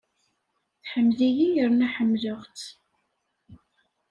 Tḥemmel-iyi yerna ḥemmleɣ-tt.